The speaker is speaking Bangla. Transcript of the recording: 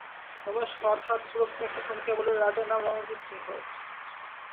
রমেশ হঠাৎ প্রশ্নে একটু থমকিয়া বলিল, রাজার নাম রণজিৎ সিং।